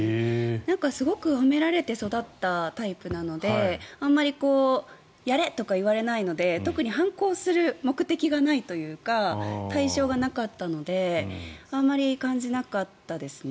すごく褒められて育ったタイプなのであまり、やれとか言われないので特に反抗する目的がないというか対象がなかったのであんまり感じなかったですね。